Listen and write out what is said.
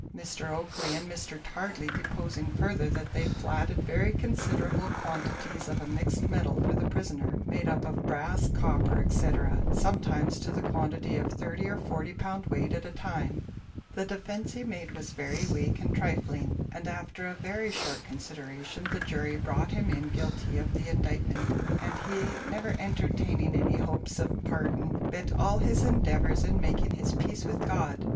Mr. Oakley and Mr. Tardley deposing further, that they flatted very considerable quantities of a mixed metal for the prisoner, made up of brass, copper, etc., sometimes to the quantity of 30 or 40 pound weight at a time. The defence he made was very weak and trifling, and after a very short consideration the jury brought him in guilty of the indictment, and he, never entertaining any hopes of pardon, bent all his endeavours in making his peace with God.